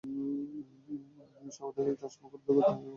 English, আমাদের ঐ রাজমুকুট উদ্ধার করতে হবে, এবং খুব দ্রুত করতে হবে।